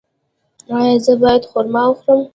ایا زه باید خرما وخورم؟